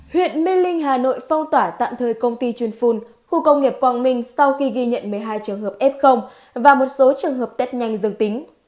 huyện mê linh hà nội phong tỏa tạm thời công ty chuyên phun khu công nghiệp quang minh sau khi ghi nhận một mươi hai trường hợp f và một số trường hợp test nhanh dường tính